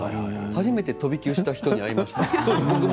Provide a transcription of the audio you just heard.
初めて飛び級の方に会いました。